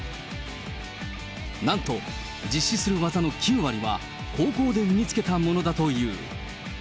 なんと、実施する技の９割は、高校で身につけたものだという。